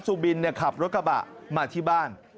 สุบินขับรถกระบะมาที่บ้าน